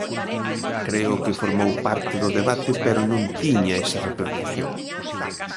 Creo que formou parte do debate pero non tiña esa repercusión.